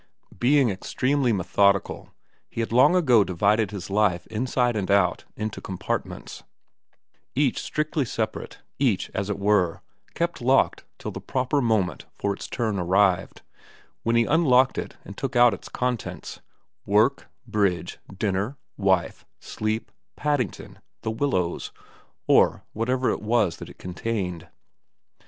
Being extremely methodical he had long ago divided his life inside and out into compartments, each strictly separate, each, as it were, kept locked till the proper 308 xxvm VERA 309 moment for its turn arrived, when he unlocked it and took out its contents, work, bridge, dinner, wife, sleep, Paddington, The Willows, or whatever it was that it contained.